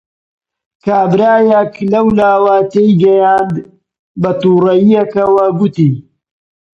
کابرایەک لەولاوە تێی گەیاند، بەتووڕەیییەکەوە گوتی: